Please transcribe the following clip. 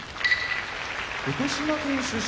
福島県出身